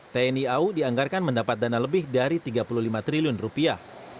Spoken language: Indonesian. dua ribu sembilan belas tni au dianggarkan mendapat dana lebih dari tiga puluh lima triliun rupiah